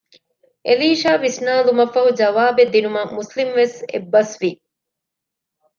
އެލީޝާ ވިސްނާލުމަށްފަހު ޖަވާބެއްދިނުމަށް މުސްލިމްވެސް އެއްބަސް ވި